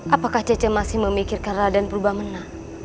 apakah cece masih memikirkan raden purba menang